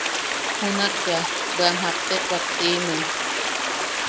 Junak bea... bwe am japtetuak siimem.